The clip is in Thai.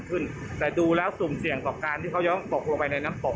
ขึ้นแต่ดูแล้วสุ่มเสี่ยงต่อการที่เขายังตกลงไปในน้ำตก